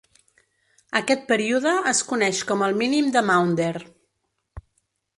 Aquest període es coneix com el mínim de Maunder.